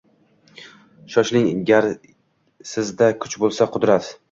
Solishing gar sizda kuch bo’lsa, qudrat!